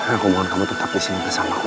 aku mohon kamu tetap disini bersama aku